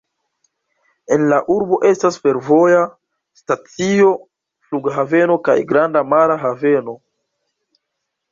En la urbo estas fervoja stacio, flughaveno kaj granda mara haveno.